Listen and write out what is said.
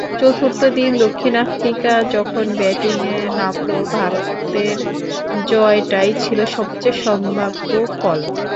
চতুর্থ দিন দক্ষিণ আফ্রিকা যখন ব্যাটিংয়ে নামল, ভারতের জয়টাই ছিল সবচেয়ে সম্ভাব্য ফল।